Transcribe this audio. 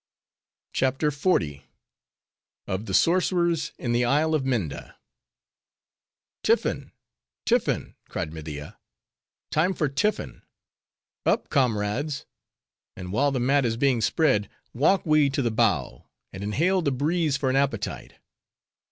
CHAPTER XL. Of The Sorcerers In The Isle Of Minda "Tiffin! tiffin!" cried Media; "time for tiffin! Up, comrades! and while the mat is being spread, walk we to the bow, and inhale the breeze for an appetite.